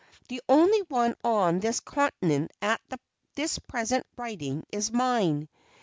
The only one on this continent at this present writing is mine.